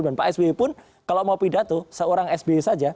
dan pak sby pun kalau mau pidato seorang sby saja